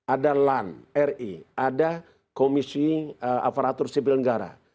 ada lan ri ada komisi aparatur sipil negara